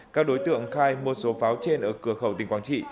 các đối tượng khai mua số pháo trên ở cửa khẩu tỉnh quảng trị